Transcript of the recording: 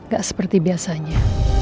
gak seperti biasanya